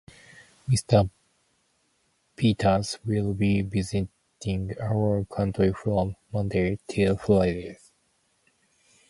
Mr Peters will be visiting our country from Monday till Friday.